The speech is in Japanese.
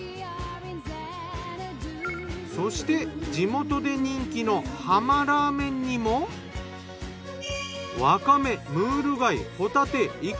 そして地元で人気の浜ラーメンにもワカメムール貝ホタテイカ